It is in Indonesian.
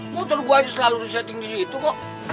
motor gue aja selalu di setting disitu kok